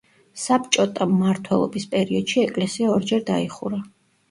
საბჭოტა მმართველობის პერიოდში ეკლესია ორჯერ დაიხურა.